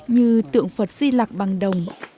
như tượng phật di lạc bằng đồng